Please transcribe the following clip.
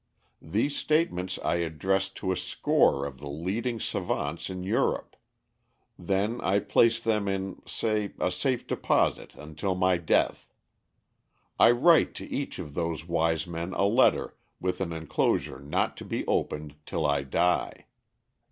These statements I address to a score of the leading savants in Europe. "Then I place them in, say, a safe deposit until my death. I write to each of those wise men a letter with an enclosure not to be opened till I die.